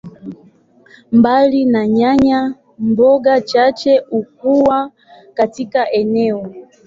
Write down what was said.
Mbali na nyanya, mboga chache hukua katika eneo.